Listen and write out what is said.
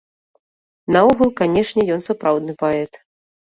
Наогул, канечне, ён сапраўдны паэт.